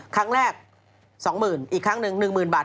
ครั้งแรก๒หมื่นอีกครั้งหนึ่ง๑หมื่นบาท